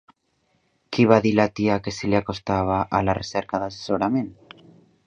Qui va dir la tia que se li acostava a la recerca d'assessorament?